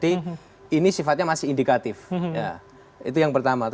ini sifatnya masih indikatif itu yang pertama